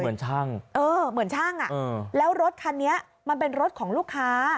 เหมือนช่างเออเหมือนช่างอ่ะแล้วรถคันนี้มันเป็นรถของลูกค้า